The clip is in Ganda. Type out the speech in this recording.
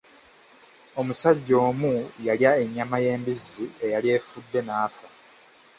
Omusajja omu yalya ennyama y'embizzi eyali efudde n'afa.